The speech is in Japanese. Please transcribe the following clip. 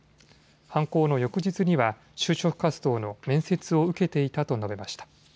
犯行の翌日には就職活動の面接を受けていたと述べました。